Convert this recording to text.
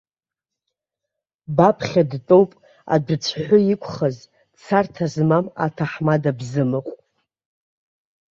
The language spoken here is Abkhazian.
Баԥхьа дтәоуп, адәыцәҳәы иқәхаз, царҭа змам аҭаҳмада бзамыҟә.